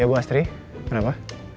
ya bu astri kenapa